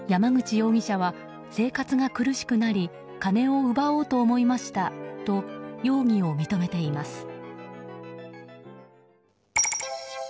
山口容疑者は生活が苦しくなり金を奪おうと思いましたと容疑を認めています。